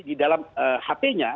di dalam hal ini